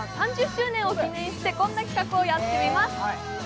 ３０周年を記念してこんな企画をやってみます。